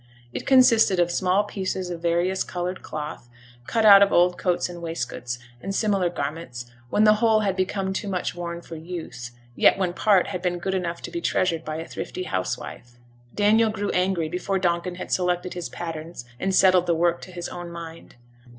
It consisted of small pieces of various coloured cloth, cut out of old coats and waistcoats, and similar garments, when the whole had become too much worn for use, yet when part had been good enough to be treasured by a thrifty housewife. Daniel grew angry before Donkin had selected his patterns and settled the work to his own mind.